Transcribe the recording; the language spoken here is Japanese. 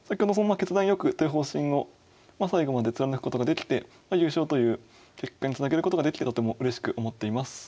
決断よくという方針を最後まで貫くことができて優勝という結果につなげることができたこともうれしく思っています。